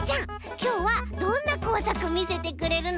きょうはどんなこうさくみせてくれるの？